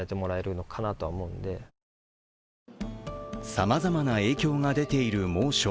さまざまな影響が出ている猛暑。